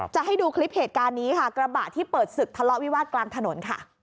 จะให้ดูคลิปเหตุการณ์นี้ค่ะกระบะที่เปิดศึกทะเลาะวิวาสกลางถนนค่ะ